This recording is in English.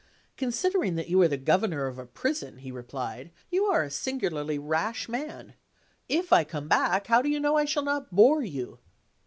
"Considering that you are the governor of a prison," he replied, "you are a singularly rash man. If I come back, how do you know I shall not bore you?"